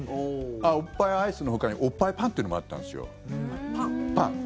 おっぱいアイスのほかにおっぱいパンっていうのもあったんですよ。